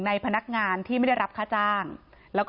ออฟฟิศโดนไล่ที่ให้ย้ายออกไปแล้ว